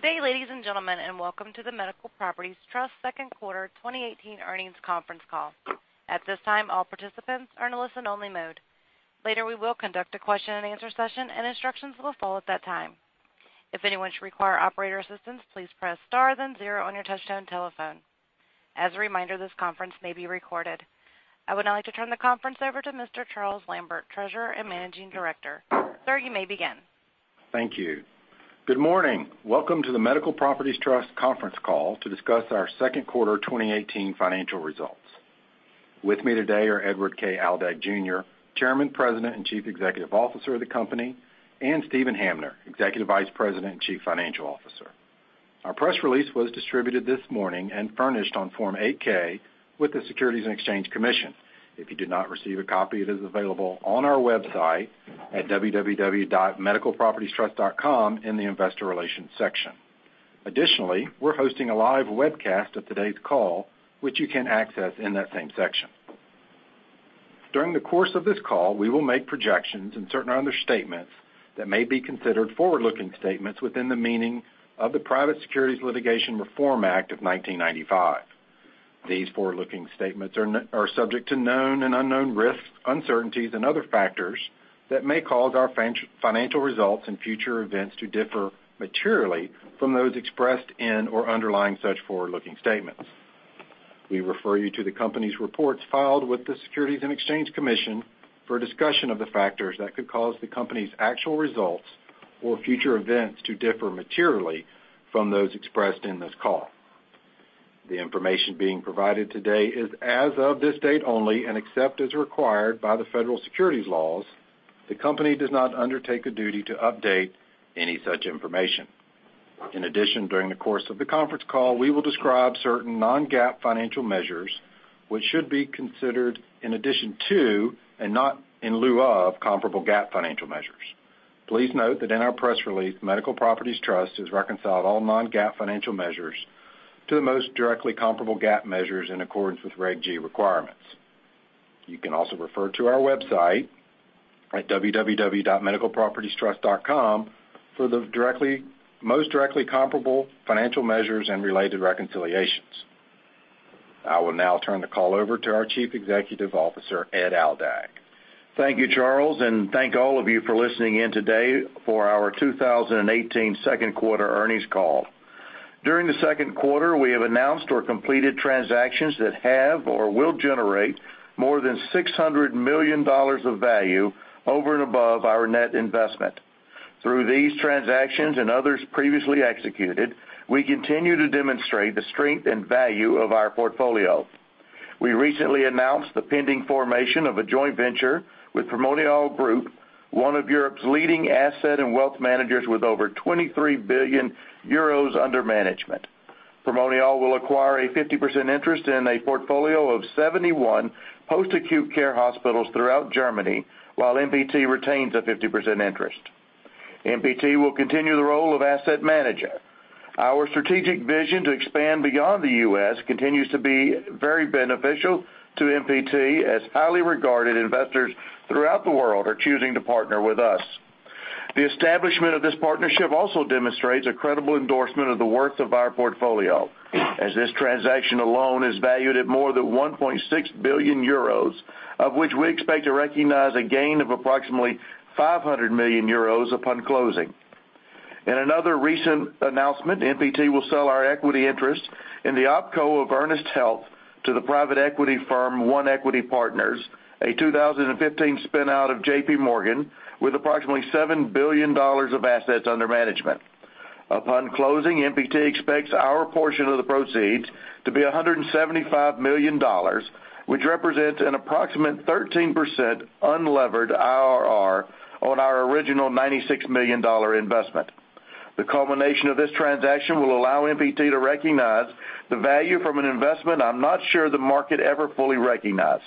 Good day, ladies and gentlemen, and welcome to the Medical Properties Trust second quarter 2018 earnings conference call. At this time, all participants are in listen only mode. Later, we will conduct a question and answer session, and instructions will follow at that time. If anyone should require operator assistance, please press star then zero on your touchtone telephone. As a reminder, this conference may be recorded. I would now like to turn the conference over to Mr. Charles Lambert, Treasurer and Managing Director. Sir, you may begin. Thank you. Good morning. Welcome to the Medical Properties Trust conference call to discuss our second quarter 2018 financial results. With me today are Edward K. Aldag Jr., Chairman, President and Chief Executive Officer of the company, and Steven Hamner, Executive Vice President and Chief Financial Officer. Our press release was distributed this morning and furnished on Form 8-K with the Securities and Exchange Commission. If you did not receive a copy, it is available on our website at www.medicalpropertiestrust.com in the investor relations section. Additionally, we're hosting a live webcast of today's call, which you can access in that same section. During the course of this call, we will make projections and certain other statements that may be considered forward-looking statements within the meaning of the Private Securities Litigation Reform Act of 1995. These forward-looking statements are subject to known and unknown risks, uncertainties and other factors that may cause our financial results and future events to differ materially from those expressed in or underlying such forward-looking statements. We refer you to the company's reports filed with the Securities and Exchange Commission for a discussion of the factors that could cause the company's actual results or future events to differ materially from those expressed in this call. The information being provided today is as of this date only, and except as required by the federal securities laws, the company does not undertake a duty to update any such information. In addition, during the course of the conference call, we will describe certain non-GAAP financial measures which should be considered in addition to, and not in lieu of, comparable GAAP financial measures. Please note that in our press release, Medical Properties Trust has reconciled all non-GAAP financial measures to the most directly comparable GAAP measures in accordance with Reg G requirements. You can also refer to our website at www.medicalpropertiestrust.com for the most directly comparable financial measures and related reconciliations. I will now turn the call over to our Chief Executive Officer, Ed Aldag. Thank you, Charles, and thank all of you for listening in today for our 2018 second quarter earnings call. During the second quarter, we have announced or completed transactions that have or will generate more than $600 million of value over and above our net investment. Through these transactions and others previously executed, we continue to demonstrate the strength and value of our portfolio. We recently announced the pending formation of a joint venture with Primonial Group, one of Europe's leading asset and wealth managers with over 23 billion euros under management. Primonial will acquire a 50% interest in a portfolio of 71 post-acute care hospitals throughout Germany, while MPT retains a 50% interest. MPT will continue the role of asset manager. Our strategic vision to expand beyond the U.S. continues to be very beneficial to MPT as highly regarded investors throughout the world are choosing to partner with us. The establishment of this partnership also demonstrates a credible endorsement of the worth of our portfolio, as this transaction alone is valued at more than 1.6 billion euros, of which we expect to recognize a gain of approximately 500 million euros upon closing. In another recent announcement, MPT will sell our equity interest in the OpCo of Ernest Health to the private equity firm One Equity Partners, a 2015 spin out of JP Morgan with approximately $7 billion of assets under management. Upon closing, MPT expects our portion of the proceeds to be $175 million, which represents an approximate 13% unlevered IRR on our original $96 million investment. The culmination of this transaction will allow MPT to recognize the value from an investment I'm not sure the market ever fully recognized.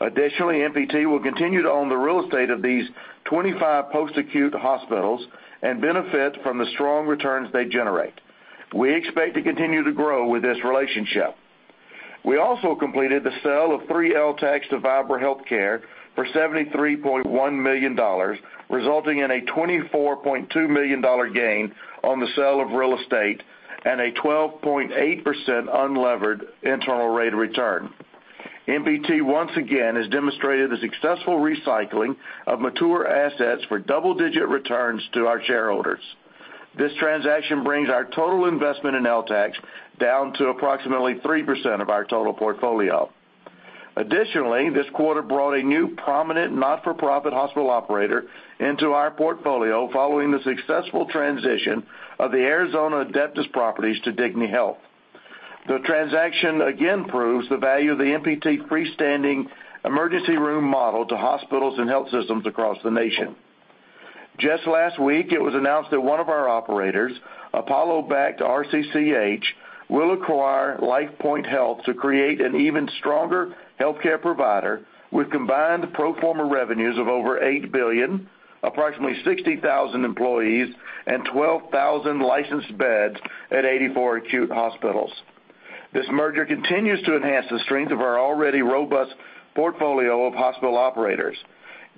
Additionally, MPT will continue to own the real estate of these 25 post-acute hospitals and benefit from the strong returns they generate. We expect to continue to grow with this relationship. We also completed the sale of three LTACs to Vibra Healthcare for $73.1 million, resulting in a $24.2 million gain on the sale of real estate and a 12.8% unlevered internal rate of return. MPT once again has demonstrated the successful recycling of mature assets for double-digit returns to our shareholders. This transaction brings our total investment in LTACs down to approximately 3% of our total portfolio. Additionally, this quarter brought a new prominent not-for-profit hospital operator into our portfolio following the successful transition of the Arizona Adeptus properties to Dignity Health. The transaction again proves the value of the MPT freestanding emergency room model to hospitals and health systems across the nation. Just last week, it was announced that one of our operators, Apollo-backed RCCH, will acquire LifePoint Health to create an even stronger healthcare provider with combined pro forma revenues of over $8 billion, approximately 60,000 employees and 12,000 licensed beds at 84 acute hospitals. This merger continues to enhance the strength of our already robust portfolio of hospital operators.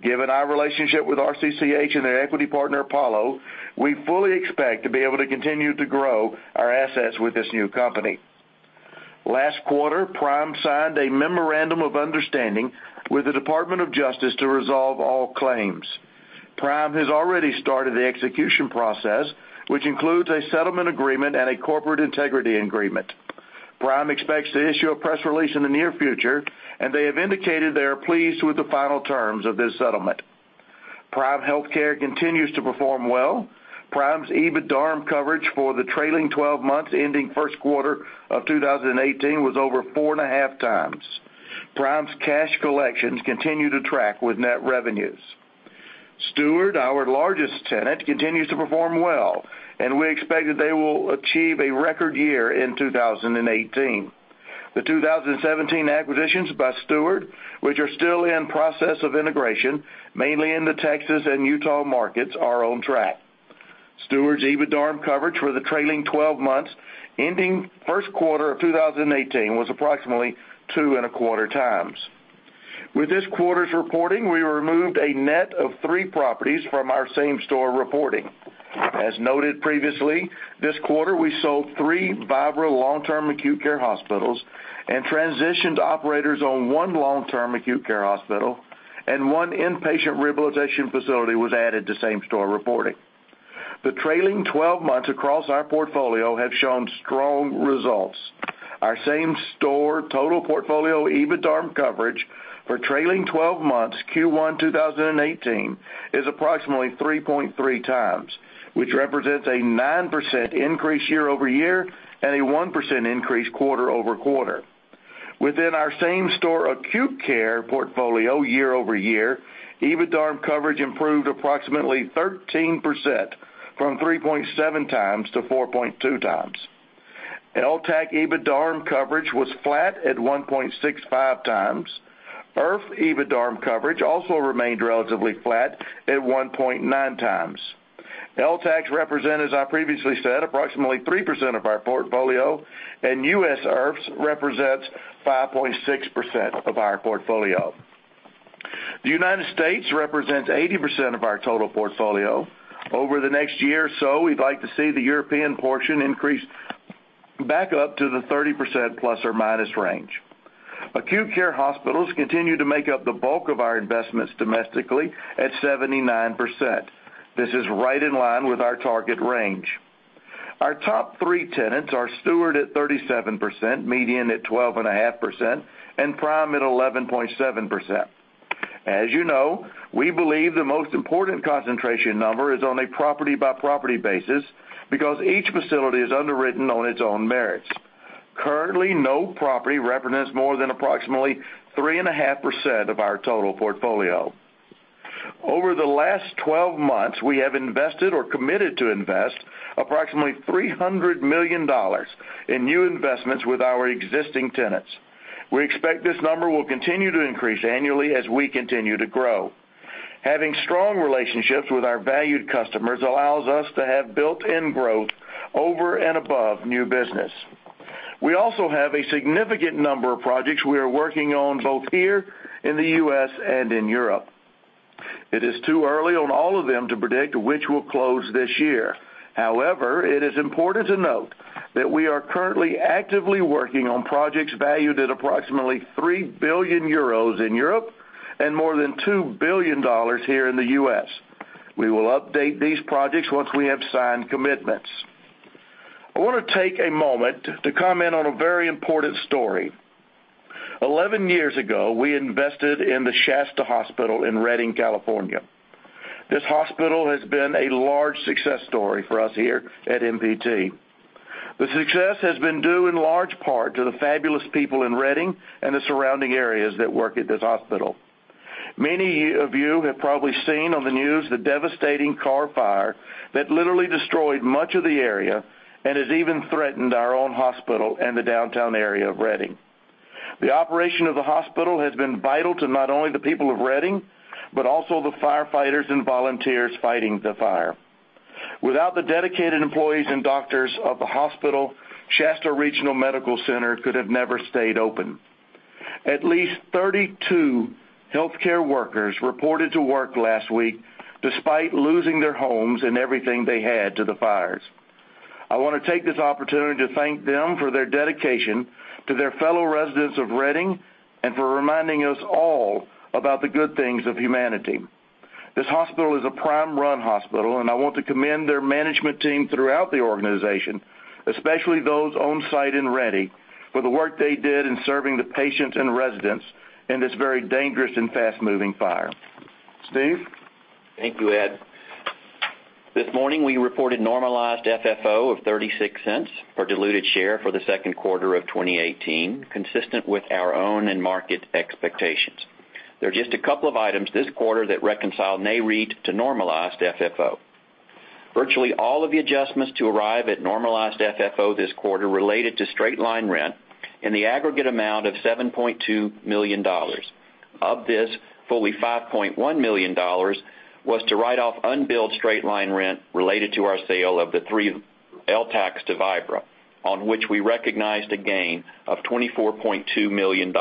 Given our relationship with RCCH and their equity partner, Apollo, we fully expect to be able to continue to grow our assets with this new company. Last quarter, Prime signed a memorandum of understanding with the Department of Justice to resolve all claims. Prime has already started the execution process, which includes a settlement agreement and a corporate integrity agreement. Prime expects to issue a press release in the near future, and they have indicated they are pleased with the final terms of this settlement. Prime Healthcare continues to perform well. Prime's EBITDARM coverage for the trailing 12 months ending first quarter of 2018 was over four and a half times. Prime's cash collections continue to track with net revenues. Steward, our largest tenant, continues to perform well, and we expect that they will achieve a record year in 2018. The 2017 acquisitions by Steward, which are still in process of integration, mainly in the Texas and Utah markets, are on track. Steward's EBITDARM coverage for the trailing 12 months ending first quarter of 2018 was approximately two and a quarter times. With this quarter's reporting, we removed a net of three properties from our same store reporting. As noted previously, this quarter we sold three Vibra long-term acute care hospitals and transitioned operators on one long-term acute care hospital and one inpatient rehabilitation facility was added to same store reporting. The trailing 12 months across our portfolio have shown strong results. Our same store total portfolio EBITDARM coverage for trailing 12 months Q1 2018 is approximately 3.3 times, which represents a 9% increase year-over-year and a 1% increase quarter-over-quarter. Within our same store acute care portfolio year-over-year, EBITDARM coverage improved approximately 13%, from 3.7 times to 4.2 times. LTAC EBITDARM coverage was flat at 1.65 times. IRF EBITDARM coverage also remained relatively flat at 1.9 times. LTACs represent, as I previously said, approximately 3% of our portfolio, and U.S. IRFs represents 5.6% of our portfolio. The United States represents 80% of our total portfolio. Over the next year or so, we'd like to see the European portion increase back up to the 30% plus or minus range. Acute care hospitals continue to make up the bulk of our investments domestically at 79%. This is right in line with our target range. Our top three tenants are Steward at 37%, MEDIAN at 12.5%, and Prime at 11.7%. As you know, we believe the most important concentration number is on a property-by-property basis because each facility is underwritten on its own merits. Currently, no property represents more than approximately 3.5% of our total portfolio. Over the last 12 months, we have invested or committed to invest approximately $300 million in new investments with our existing tenants. We expect this number will continue to increase annually as we continue to grow. Having strong relationships with our valued customers allows us to have built-in growth over and above new business. We also have a significant number of projects we are working on both here in the U.S. and in Europe. It is too early on all of them to predict which will close this year. It is important to note that we are currently actively working on projects valued at approximately 3 billion euros in Europe and more than $2 billion here in the U.S. We will update these projects once we have signed commitments. I want to take a moment to comment on a very important story. 11 years ago, we invested in the Shasta Hospital in Redding, California. This hospital has been a large success story for us here at MPT. The success has been due in large part to the fabulous people in Redding and the surrounding areas that work at this hospital. Many of you have probably seen on the news the devastating Carr Fire that literally destroyed much of the area and has even threatened our own hospital and the downtown area of Redding. The operation of the hospital has been vital to not only the people of Redding, but also the firefighters and volunteers fighting the fire. Without the dedicated employees and doctors of the hospital, Shasta Regional Medical Center could have never stayed open. At least 32 healthcare workers reported to work last week despite losing their homes and everything they had to the fires. I want to take this opportunity to thank them for their dedication to their fellow residents of Redding and for reminding us all about the good things of humanity. This hospital is a Prime-run hospital, and I want to commend their management team throughout the organization, especially those on site in Redding, for the work they did in serving the patients and residents in this very dangerous and fast-moving fire. Steve? Thank you, Ed. This morning, we reported normalized FFO of $0.36 per diluted share for the second quarter of 2018, consistent with our own and market expectations. There are just a couple of items this quarter that reconcile NAREIT to normalized FFO. Virtually all of the adjustments to arrive at normalized FFO this quarter related to straight line rent in the aggregate amount of $7.2 million. Of this, fully $5.1 million was to write off unbilled straight-line rent related to our sale of the 3 LTACs to Vibra, on which we recognized a gain of $24.2 million.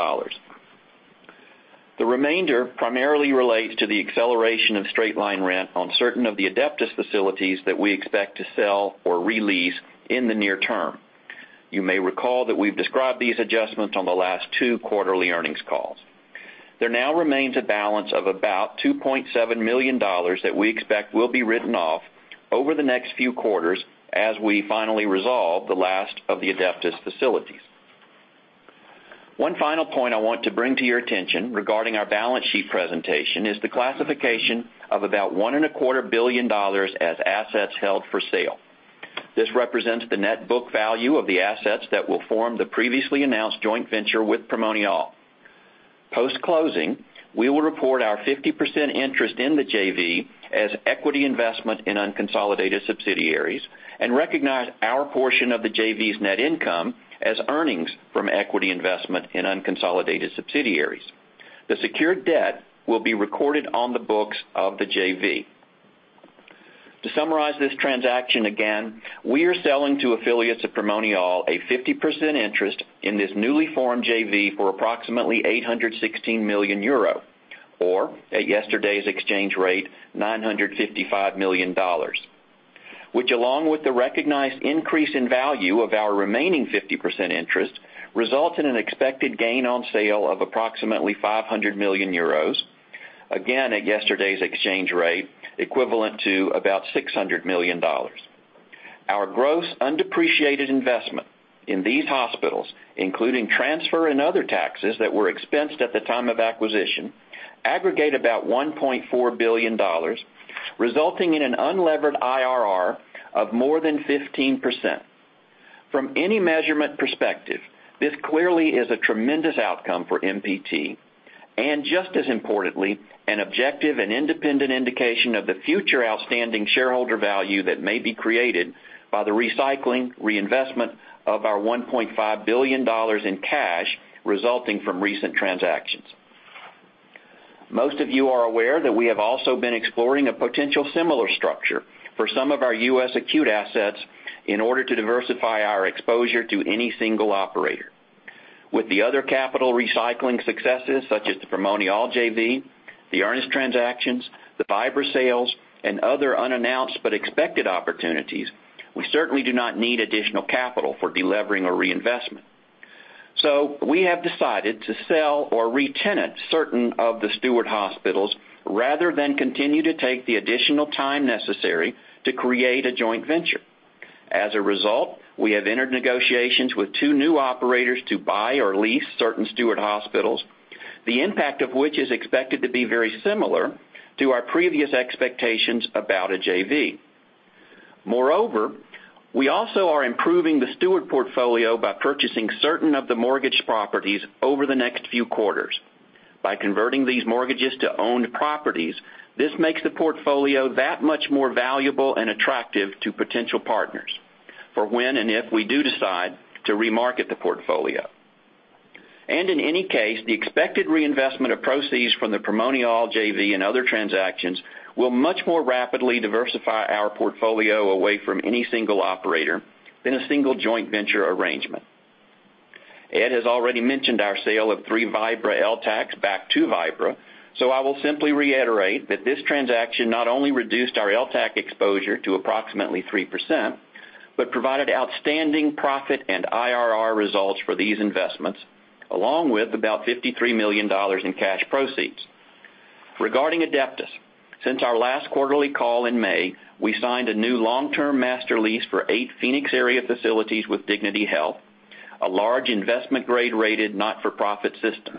The remainder primarily relates to the acceleration of straight-line rent on certain of the Adeptus facilities that we expect to sell or re-lease in the near term. You may recall that we've described these adjustments on the last two quarterly earnings calls. There now remains a balance of about $2.7 million that we expect will be written off over the next few quarters as we finally resolve the last of the Adeptus facilities. One final point I want to bring to your attention regarding our balance sheet presentation is the classification of about $1.25 billion as assets held for sale. This represents the net book value of the assets that will form the previously announced joint venture with Primonial. Post-closing, we will report our 50% interest in the JV as equity investment in unconsolidated subsidiaries and recognize our portion of the JV's net income as earnings from equity investment in unconsolidated subsidiaries. The secured debt will be recorded on the books of the JV. To summarize this transaction again, we are selling to affiliates of Primonial a 50% interest in this newly formed JV for approximately 816 million euro or, at yesterday's exchange rate, $955 million, which along with the recognized increase in value of our remaining 50% interest, results in an expected gain on sale of approximately 500 million euros, again at yesterday's exchange rate, equivalent to about $600 million. Our gross undepreciated investment in these hospitals, including transfer and other taxes that were expensed at the time of acquisition, aggregate about $1.4 billion, resulting in an unlevered IRR of more than 15%. From any measurement perspective, this clearly is a tremendous outcome for MPT and just as importantly, an objective and independent indication of the future outstanding shareholder value that may be created by the recycling reinvestment of our $1.5 billion in cash resulting from recent transactions. Most of you are aware that we have also been exploring a potential similar structure for some of our U.S. acute assets in order to diversify our exposure to any single operator. With the other capital recycling successes such as the Primonial JV, the Ernest transactions, the Vibra sales, and other unannounced but expected opportunities, we certainly do not need additional capital for delevering or reinvestment. We have decided to sell or retenant certain of the Steward hospitals rather than continue to take the additional time necessary to create a joint venture. As a result, we have entered negotiations with two new operators to buy or lease certain Steward hospitals, the impact of which is expected to be very similar to our previous expectations about a JV. Moreover, we also are improving the Steward portfolio by purchasing certain of the mortgage properties over the next few quarters. By converting these mortgages to owned properties, this makes the portfolio that much more valuable and attractive to potential partners for when and if we do decide to remarket the portfolio. In any case, the expected reinvestment of proceeds from the Primonial JV and other transactions will much more rapidly diversify our portfolio away from any single operator in a single joint venture arrangement. Ed has already mentioned our sale of three Vibra LTACs back to Vibra, so I will simply reiterate that this transaction not only reduced our LTAC exposure to approximately 3%, but provided outstanding profit and IRR results for these investments, along with about $53 million in cash proceeds. Regarding Adeptus, since our last quarterly call in May, we signed a new long-term master lease for eight Phoenix area facilities with Dignity Health, a large investment grade-rated, not-for-profit system.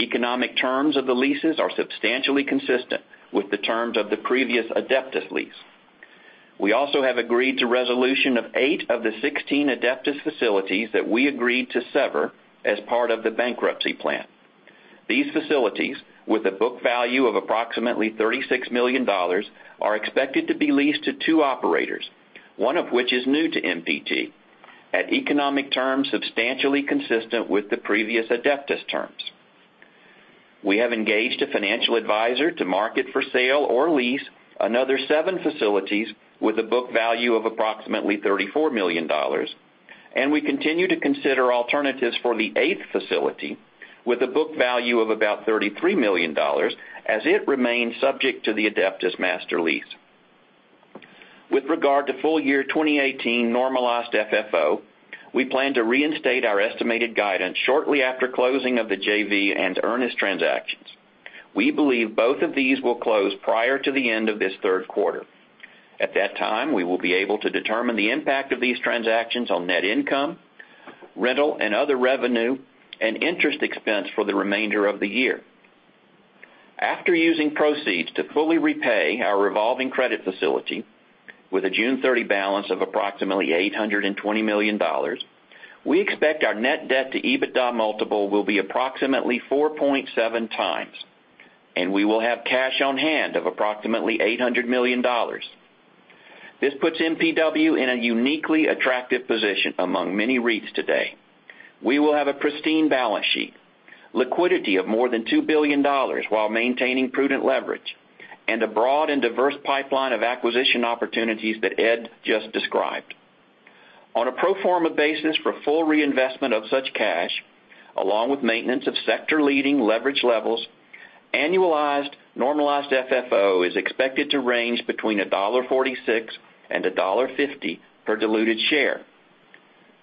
Economic terms of the leases are substantially consistent with the terms of the previous Adeptus lease. We also have agreed to resolution of 8 of the 16 Adeptus facilities that we agreed to sever as part of the bankruptcy plan. These facilities, with a book value of approximately $36 million, are expected to be leased to two operators, one of which is new to MPT, at economic terms substantially consistent with the previous Adeptus terms. We have engaged a financial advisor to market for sale or lease another seven facilities with a book value of approximately $34 million, and we continue to consider alternatives for the eighth facility with a book value of about $33 million as it remains subject to the Adeptus master lease. With regard to full year 2018 normalized FFO, we plan to reinstate our estimated guidance shortly after closing of the JV and Ernest transactions. We believe both of these will close prior to the end of this third quarter. At that time, we will be able to determine the impact of these transactions on net income, rental and other revenue, and interest expense for the remainder of the year. After using proceeds to fully repay our revolving credit facility with a June 30 balance of approximately $820 million, we expect our net debt to EBITDA multiple will be approximately 4.7 times, and we will have cash on hand of approximately $800 million. This puts MPW in a uniquely attractive position among many REITs today. We will have a pristine balance sheet, liquidity of more than $2 billion while maintaining prudent leverage, and a broad and diverse pipeline of acquisition opportunities that Ed just described. On a pro forma basis for full reinvestment of such cash, along with maintenance of sector-leading leverage levels, annualized normalized FFO is expected to range between $1.46 and $1.50 per diluted share.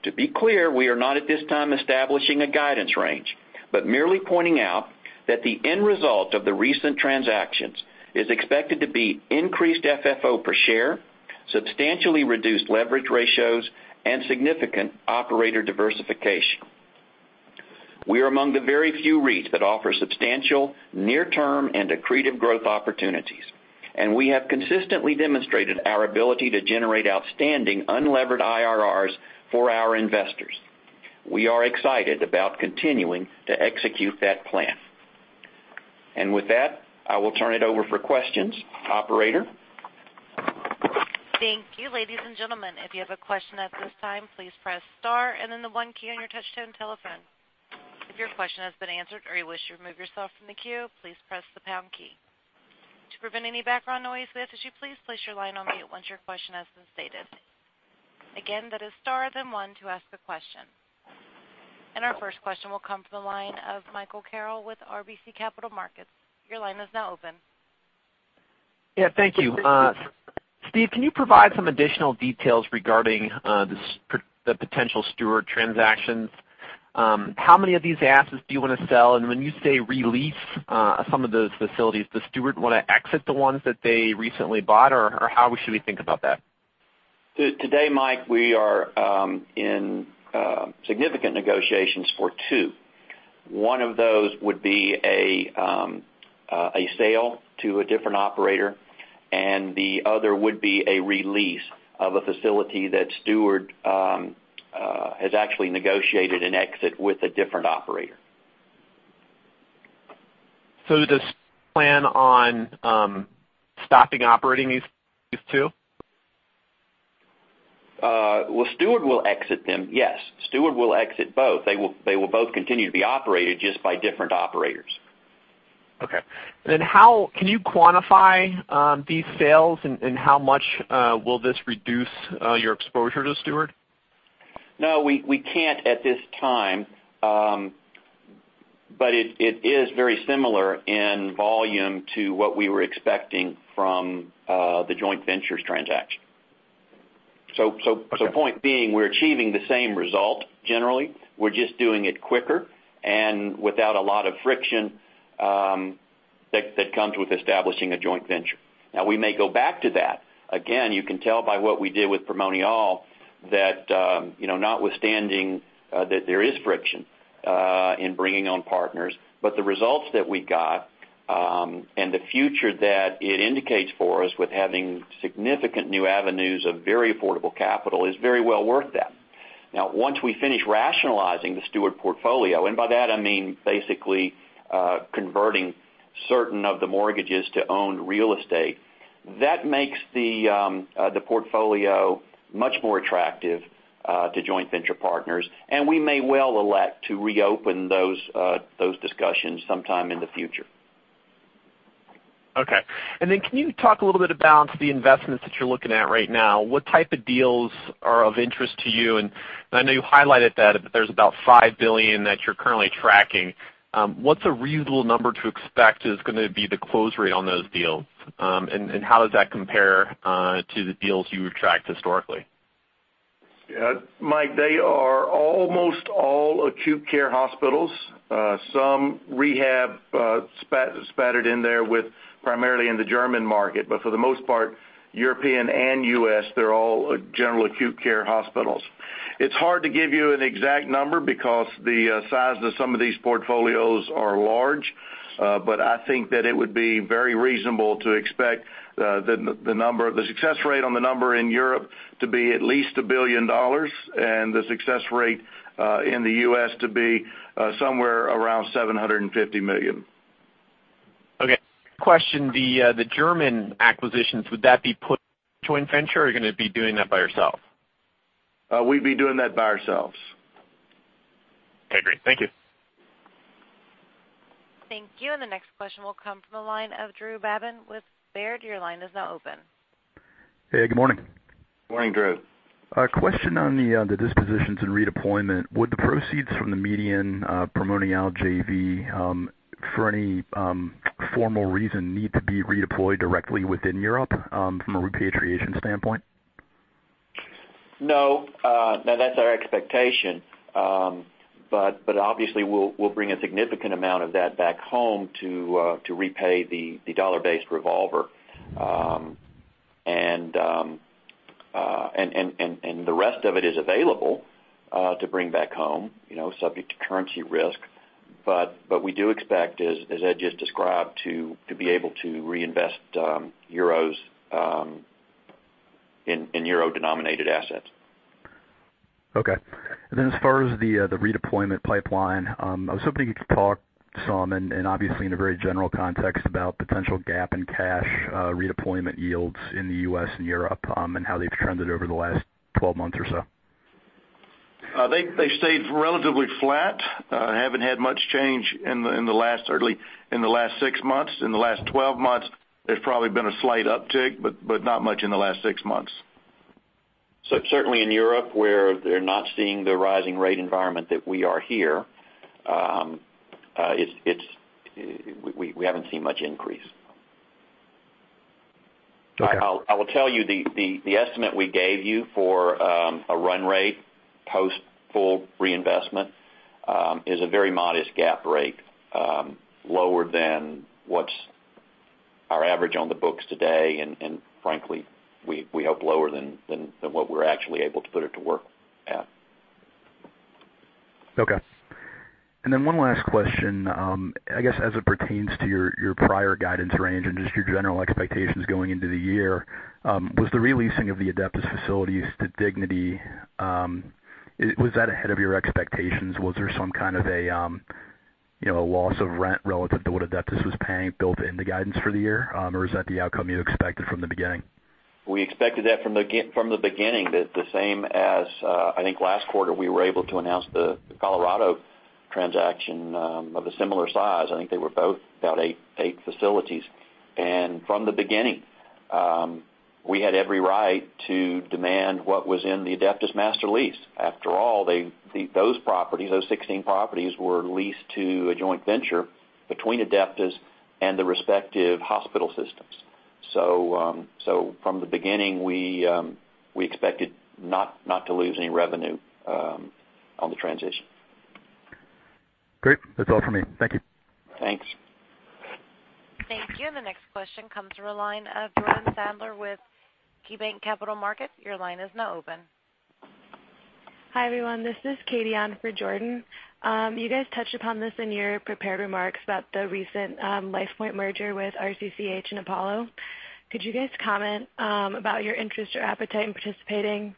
To be clear, we are not at this time establishing a guidance range, but merely pointing out that the end result of the recent transactions is expected to be increased FFO per share, substantially reduced leverage ratios, and significant operator diversification. We are among the very few REITs that offer substantial near-term and accretive growth opportunities, and we have consistently demonstrated our ability to generate outstanding unlevered IRRs for our investors. We are excited about continuing to execute that plan. With that, I will turn it over for questions. Operator? Thank you. Ladies and gentlemen, if you have a question at this time, please press star and then the one key on your touch-tone telephone. If your question has been answered or you wish to remove yourself from the queue, please press the pound key. To prevent any background noise, we ask that you please place your line on mute once your question has been stated. Again, that is star, then one to ask a question. Our first question will come from the line of Michael Carroll with RBC Capital Markets. Your line is now open. Yeah, thank you. Steve, can you provide some additional details regarding the potential Steward transactions? How many of these assets do you want to sell? When you say re-lease some of those facilities, does Steward want to exit the ones that they recently bought, or how should we think about that? Today, Mike, we are in significant negotiations for two. One of those would be a sale to a different operator, and the other would be a release of a facility that Steward has actually negotiated an exit with a different operator. Does Steward plan on stopping operating these two? Well, Steward will exit them. Yes. Steward will exit both. They will both continue to be operated just by different operators. Okay. Can you quantify these sales, and how much will this reduce your exposure to Steward? No, we can't at this time. It is very similar in volume to what we were expecting from the joint ventures transaction. Okay. Point being, we're achieving the same result generally. We're just doing it quicker and without a lot of friction that comes with establishing a joint venture. We may go back to that. Again, you can tell by what we did with Primonial that notwithstanding that there is friction in bringing on partners, but the results that we got, and the future that it indicates for us with having significant new avenues of very affordable capital, is very well worth that. Once we finish rationalizing the Steward portfolio, and by that I mean basically converting certain of the mortgages to owned real estate, that makes the portfolio much more attractive to joint venture partners, and we may well elect to reopen those discussions sometime in the future. Okay. Can you talk a little bit about the investments that you're looking at right now? What type of deals are of interest to you? I know you highlighted that there's about $5 billion that you're currently tracking. What's a reasonable number to expect is going to be the close rate on those deals? How does that compare to the deals you attract historically? Mike, they are almost all acute care hospitals. Some rehab spattered in there primarily in the German market. For the most part, European and U.S., they're all general acute care hospitals. It's hard to give you an exact number because the size of some of these portfolios are large. I think that it would be very reasonable to expect the success rate on the number in Europe to be at least $1 billion, and the success rate in the U.S. to be somewhere around $750 million. Okay. Question, the German acquisitions, would that be put joint venture, or are you going to be doing that by yourself? We'd be doing that by ourselves. Okay, great. Thank you. Thank you. The next question will come from the line of Drew Babin with Baird. Your line is now open. Hey, good morning. Morning, Drew. A question on the dispositions and redeployment. Would the proceeds from the MEDIAN Primonial JV, for any formal reason, need to be redeployed directly within Europe from a repatriation standpoint? No. That's our expectation. Obviously, we'll bring a significant amount of that back home to repay the dollar-based revolver. The rest of it is available to bring back home, subject to currency risk. We do expect, as Ed just described, to be able to reinvest euros in euro-denominated assets. Okay. Then as far as the redeployment pipeline, I was hoping you could talk some, and obviously in a very general context, about potential gap in cash redeployment yields in the U.S. and Europe, and how they've trended over the last 12 months or so. They stayed relatively flat. Haven't had much change, certainly in the last six months. In the last 12 months, there's probably been a slight uptick, but not much in the last six months. Certainly in Europe, where they're not seeing the rising rate environment that we are here, we haven't seen much increase. Okay. I will tell you, the estimate we gave you for a run rate post full reinvestment, is a very modest GAAP rate, lower than what's our average on the books today, and frankly, we hope lower than what we're actually able to put it to work at. Okay. One last question. I guess as it pertains to your prior guidance range and just your general expectations going into the year, was the re-leasing of the Adeptus facilities to Dignity, was that ahead of your expectations? Was there some kind of a loss of rent relative to what Adeptus was paying built into guidance for the year? Or was that the outcome you expected from the beginning? We expected that from the beginning, that the same as, I think last quarter, we were able to announce the Colorado transaction of a similar size. I think they were both about eight facilities. From the beginning, we had every right to demand what was in the Adeptus master lease. After all, those 16 properties were leased to a joint venture between Adeptus and the respective hospital systems. From the beginning, we expected not to lose any revenue on the transition. Great. That's all for me. Thank you. Thanks. Thank you. The next question comes through the line of Jordan Sadler with KeyBanc Capital Markets. Your line is now open. Hi, everyone, this is Katie on for Jordan. You guys touched upon this in your prepared remarks about the recent LifePoint merger with RCCH and Apollo. Could you guys comment about your interest or appetite in participating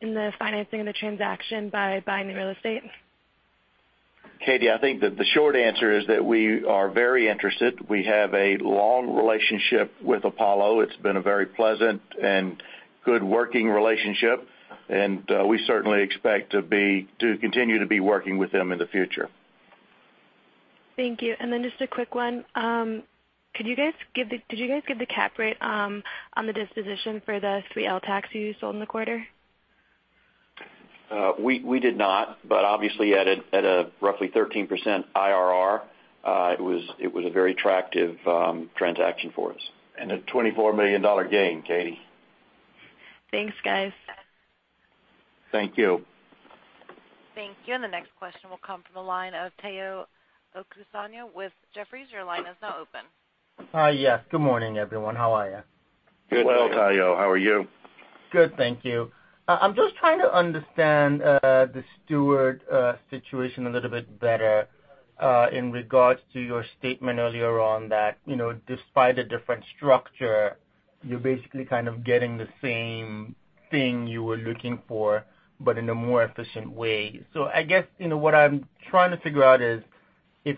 in the financing of the transaction by buying the real estate? Katie, I think that the short answer is that we are very interested. We have a long relationship with Apollo. It's been a very pleasant and good working relationship. We certainly expect to continue to be working with them in the future. Thank you. Then just a quick one. Did you guys give the cap rate on the disposition for the three LTACs you sold in the quarter? We did not. Obviously at a roughly 13% IRR, it was a very attractive transaction for us. A $24 million gain, Katie. Thanks, guys. Thank you. Thank you. The next question will come from the line of Omotayo Okusanya with Jefferies. Your line is now open. Hi. Yes, good morning, everyone. How are you? Good, Tayo. How are you? Good, thank you. I'm just trying to understand the Steward situation a little bit better, in regards to your statement earlier on that, despite the different structure, you're basically kind of getting the same thing you were looking for, but in a more efficient way. I guess, what I'm trying to figure out is, if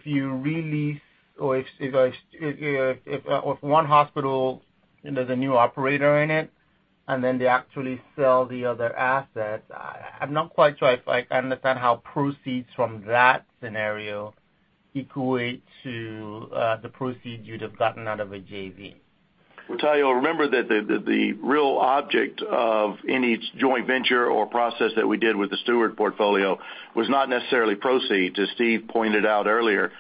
one hospital, there's a new operator in it, and then they actually sell the other asset. I'm not quite sure if I understand how proceeds from that scenario equate to the proceed you'd have gotten out of a JV. Well, Tayo, remember that the real object of any joint venture or process that we did with the Steward portfolio was not necessarily proceeds. As Steve pointed out earlier,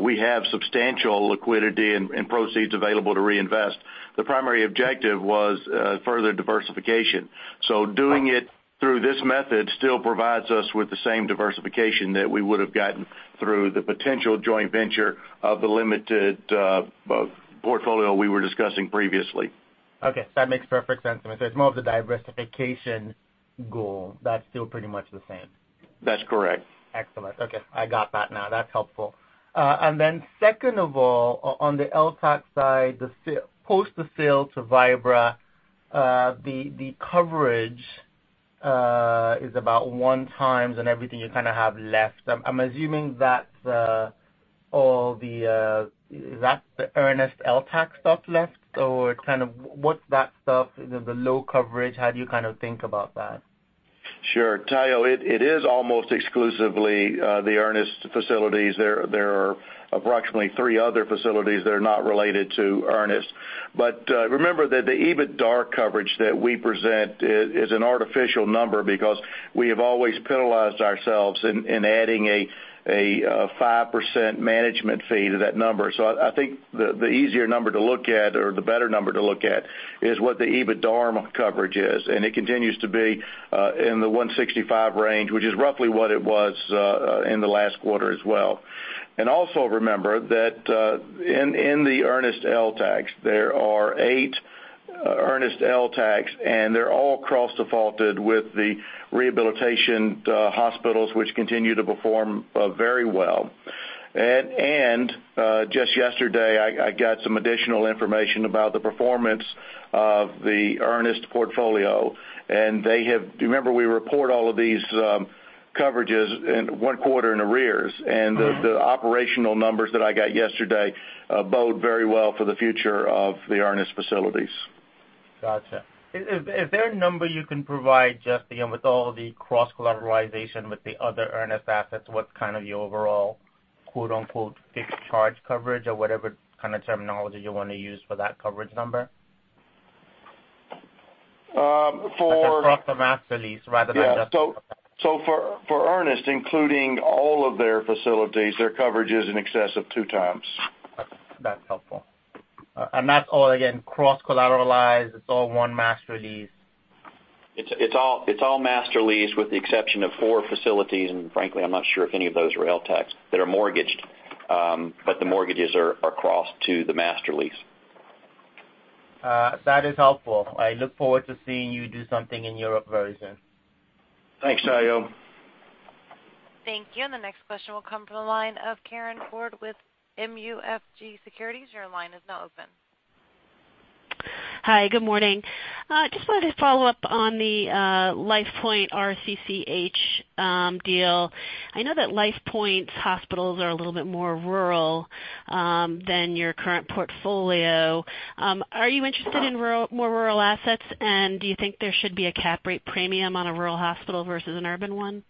we have substantial liquidity and proceeds available to reinvest. The primary objective was further diversification. Doing it through this method still provides us with the same diversification that we would've gotten through the potential joint venture of the limited portfolio we were discussing previously. Okay. That makes perfect sense. It's more of the diversification goal that's still pretty much the same. That's correct. Excellent. Okay. I got that now. That's helpful. Then second of all, on the LTAC side, post the sale to Vibra, the coverage is about one times and everything you kind of have left. I'm assuming that's the Ernest LTAC stuff left, or kind of, what's that stuff, the low coverage? How do you kind of think about that? Sure. Tayo, it is almost exclusively the Ernest facilities. There are approximately three other facilities that are not related to Ernest. Remember that the EBITDAR coverage that we present is an artificial number because we have always penalized ourselves in adding a 5% management fee to that number. I think the easier number to look at, or the better number to look at, is what the EBITDARM coverage is, and it continues to be in the 165 range, which is roughly what it was in the last quarter as well. Also remember that in the Ernest LTACs, there are eight Ernest LTACs, and they're all cross-defaulted with the rehabilitation hospitals, which continue to perform very well. Just yesterday, I got some additional information about the performance of the Ernest portfolio. Remember, we report all of these coverages one quarter in arrears. The operational numbers that I got yesterday bode very well for the future of the Ernest facilities. Got you. Is there a number you can provide, just with all the cross-collateralization with the other Ernest assets, what's kind of the overall, quote unquote, "fixed charge coverage" or whatever kind of terminology you want to use for that coverage number? For- That's across the master lease rather than just. Yeah. For Ernest, including all of their facilities, their coverage is in excess of two times. That's helpful. That's all again, cross-collateralized. It's all one master lease. It's all master lease with the exception of four facilities, frankly, I'm not sure if any of those are LTACHs that are mortgaged. The mortgages are crossed to the master lease. That is helpful. I look forward to seeing you do something in Europe very soon. Thanks, Tayo. Thank you. The next question will come from the line of Karin Ford with MUFG Securities. Your line is now open. Hi. Good morning. Just wanted to follow up on the LifePoint RCCH deal. I know that LifePoint's hospitals are a little bit more rural than your current portfolio. Are you interested in more rural assets and do you think there should be a cap rate premium on a rural hospital versus an urban one?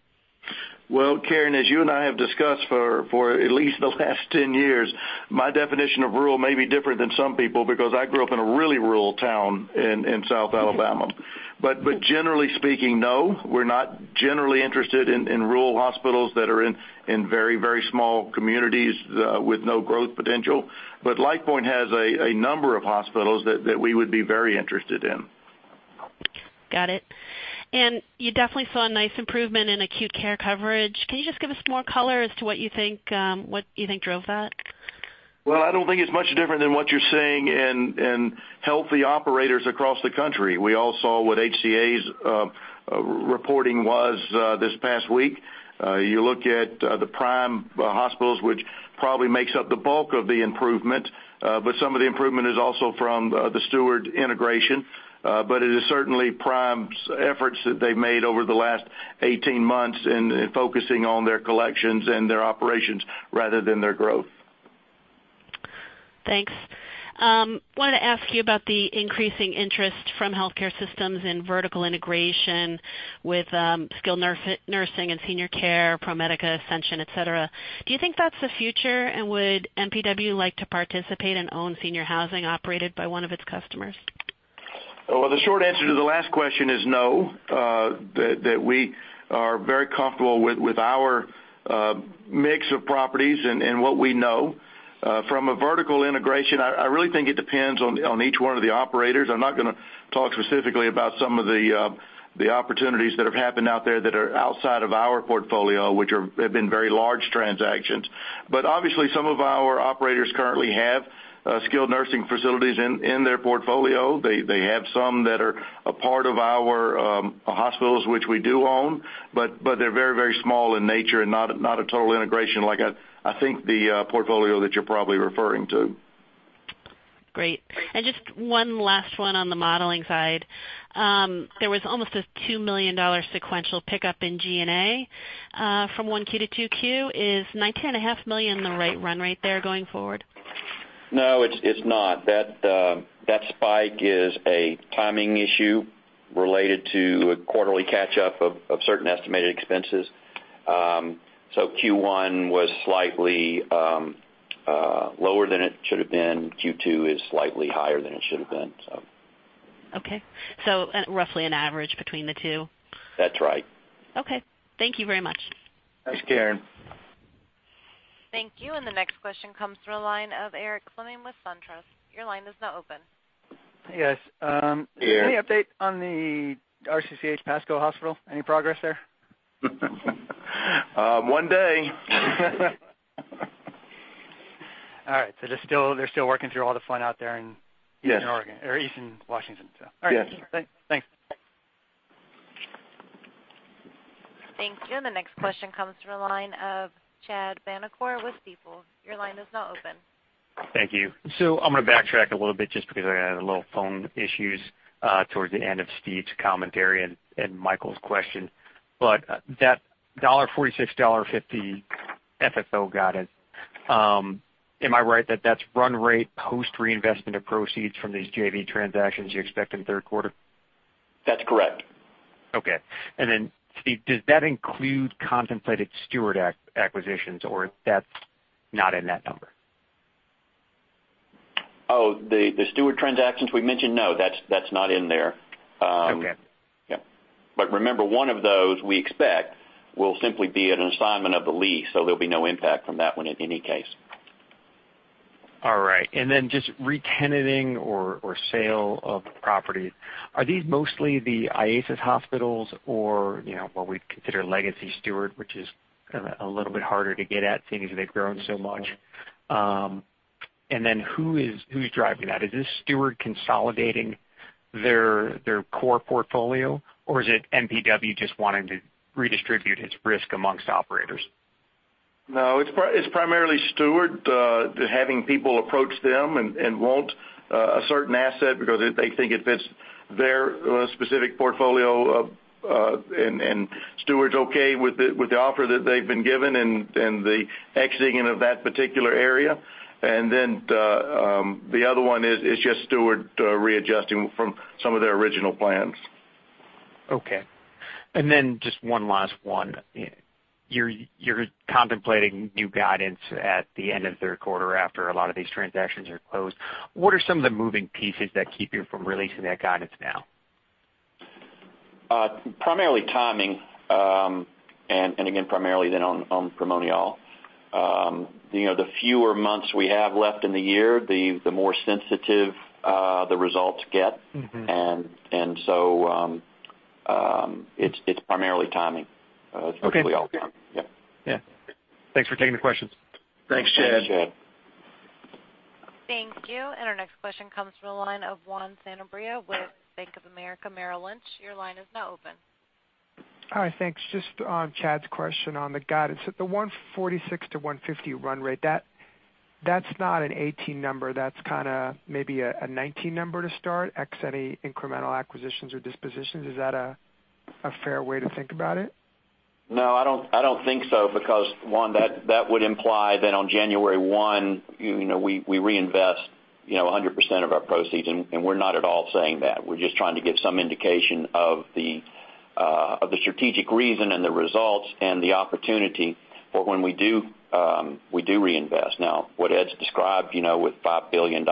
Well, Karin, as you and I have discussed for at least the last 10 years, my definition of rural may be different than some people because I grew up in a really rural town in South Alabama. Generally speaking, no, we're not generally interested in rural hospitals that are in very small communities with no growth potential. LifePoint has a number of hospitals that we would be very interested in. Got it. You definitely saw a nice improvement in acute care coverage. Can you just give us more color as to what you think drove that? Well, I don't think it's much different than what you're seeing in healthy operators across the country. We all saw what HCA's reporting was this past week. You look at the Prime Healthcare hospitals, which probably makes up the bulk of the improvement. Some of the improvement is also from the Steward Health Care integration. It is certainly Prime Healthcare's efforts that they've made over the last 18 months in focusing on their collections and their operations rather than their growth. Thanks. Wanted to ask you about the increasing interest from healthcare systems in vertical integration with skilled nursing and senior care, ProMedica, Ascension, et cetera. Do you think that's the future? Would MPW like to participate and own senior housing operated by one of its customers? Well, the short answer to the last question is no, that we are very comfortable with our mix of properties and what we know. From a vertical integration, I really think it depends on each one of the operators. I'm not going to talk specifically about some of the opportunities that have happened out there that are outside of our portfolio, which have been very large transactions. Obviously, some of our operators currently have skilled nursing facilities in their portfolio. They have some that are a part of our hospitals, which we do own, but they're very small in nature and not a total integration like I think the portfolio that you're probably referring to. Great. Just one last one on the modeling side. There was almost a $2 million sequential pickup in G&A from 1Q to 2Q. Is $19.5 million the right run rate there going forward? No, it's not. That spike is a timing issue related to a quarterly catch-up of certain estimated expenses. Q1 was slightly lower than it should have been. Q2 is slightly higher than it should have been. Okay. Roughly an average between the two? That's right. Okay. Thank you very much. Thanks, Karin. Thank you. The next question comes from the line of Eric Fleming with SunTrust. Your line is now open. Yes. Eric. Any update on the RCCH Pasco hospital? Any progress there? One day. All right. They're still working through all the fun out there. Yes Eastern Oregon or Eastern Washington, so. Yes. All right. Thanks. Thank you. The next question comes from the line of Chad Vanacore with Stifel. Your line is now open. Thank you. I'm going to backtrack a little bit just because I had little phone issues towards the end of Steve's commentary and Michael's question. That $1.46, $1.50 FFO guidance, am I right that that's run rate post reinvestment of proceeds from these JV transactions you expect in the third quarter? That's correct. Okay. Steve, does that include contemplated Steward acquisitions, or that's not in that number? The Steward transactions we mentioned? No, that's not in there. Okay. Yep. Remember, one of those we expect will simply be an assignment of the lease, so there'll be no impact from that one in any case. All right. Just retenanting or sale of properties. Are these mostly the IASIS hospitals or what we'd consider legacy Steward, which is kind of a little bit harder to get at seeing as they've grown so much? Who's driving that? Is this Steward consolidating their core portfolio, or is it MPW just wanting to redistribute its risk amongst operators? No, it's primarily Steward, having people approach them and want a certain asset because they think it fits their specific portfolio, and Steward's okay with the offer that they've been given and the exiting of that particular area. The other one is just Steward readjusting from some of their original plans. Okay. Just one last one. You're contemplating new guidance at the end of the third quarter after a lot of these transactions are closed. What are some of the moving pieces that keep you from releasing that guidance now? Primarily timing. Again, primarily then on Primonial. The fewer months we have left in the year, the more sensitive the results get. It's primarily timing, that's virtually all. Okay. Yeah. Yeah. Thanks for taking the questions. Thanks, Chad. Thanks, Chad. Thank you. Our next question comes from the line of Juan Sanabria with Bank of America Merrill Lynch. Your line is now open. Hi, thanks. Just on Chad's question on the guidance, at the $146-$150 run rate, that's not a 2018 number, that's kind of maybe a 2019 number to start, X any incremental acquisitions or dispositions. Is that a fair way to think about it? I don't think so, because, Juan, that would imply that on January 1, we reinvest 100% of our proceeds, and we're not at all saying that. We're just trying to give some indication of the strategic reason and the results and the opportunity for when we do reinvest. What Ed's described with $5 billion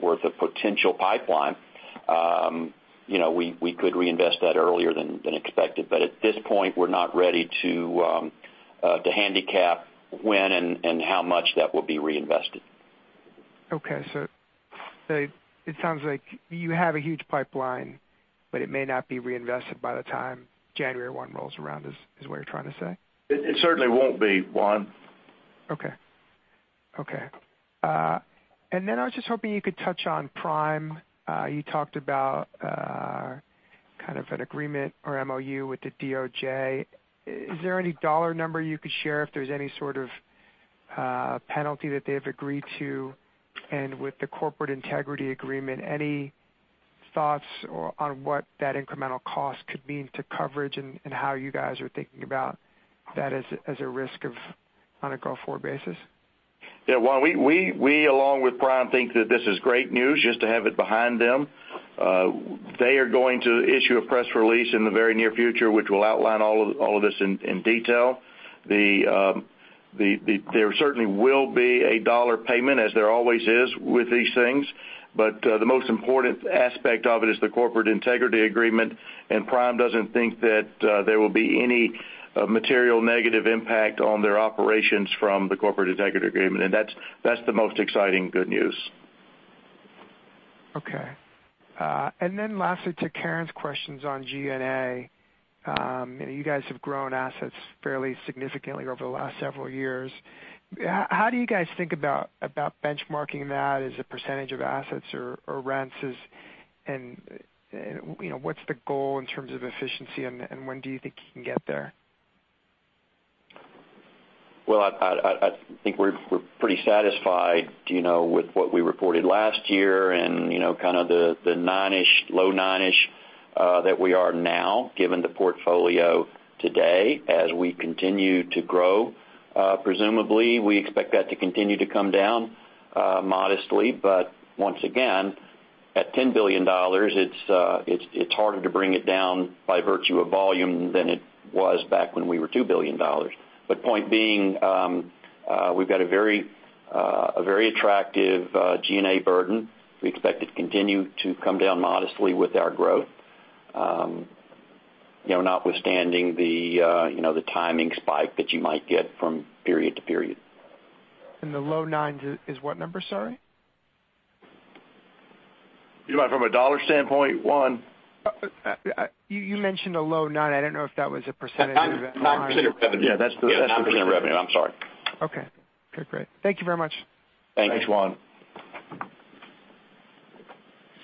worth of potential pipeline, we could reinvest that earlier than expected. At this point, we're not ready to handicap when and how much that will be reinvested. It sounds like you have a huge pipeline, but it may not be reinvested by the time January 1 rolls around, is what you're trying to say? It certainly won't be, Juan. Okay. Then I was just hoping you could touch on Prime. You talked about kind of an agreement or MOU with the DOJ. Is there any dollar number you could share if there's any sort of penalty that they've agreed to? With the corporate integrity agreement, any thoughts on what that incremental cost could mean to coverage and how you guys are thinking about that as a risk on a go-forward basis? Yeah, Juan, we along with Prime think that this is great news just to have it behind them. They are going to issue a press release in the very near future, which will outline all of this in detail. There certainly will be a dollar payment as there always is with these things. The most important aspect of it is the corporate integrity agreement. Prime doesn't think that there will be any material negative impact on their operations from the corporate integrity agreement. That's the most exciting good news. Okay. Then lastly, to Karin's questions on G&A. You guys have grown assets fairly significantly over the last several years. How do you guys think about benchmarking that as a % of assets or rents? What's the goal in terms of efficiency, and when do you think you can get there? Well, I think we're pretty satisfied with what we reported last year and kind of the low nine-ish that we are now, given the portfolio today as we continue to grow. Presumably, we expect that to continue to come down modestly. Once again, at $10 billion, it's harder to bring it down by virtue of volume than it was back when we were $2 billion. Point being, we've got a very attractive G&A burden. We expect it to continue to come down modestly with our growth. Notwithstanding the timing spike that you might get from period to period. The low nine is what number? Sorry. You mean from a dollar standpoint, Juan? You mentioned a low nine. I don't know if that was a percentage or? 9% of revenue. Yeah. Yeah, 9% of revenue. I'm sorry. Okay. Great. Thank you very much. Thanks, Juan.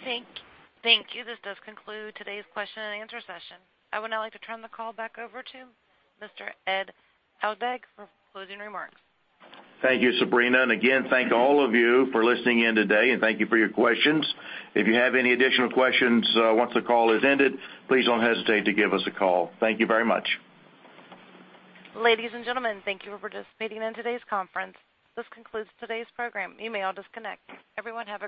Thanks. Thank you. This does conclude today's question and answer session. I would now like to turn the call back over to Mr. Ed Aldag for closing remarks. Thank you, Sabrina. Again, thank all of you for listening in today, and thank you for your questions. If you have any additional questions once the call has ended, please don't hesitate to give us a call. Thank you very much. Ladies and gentlemen, thank you for participating in today's conference. This concludes today's program. You may all disconnect. Everyone have a great day.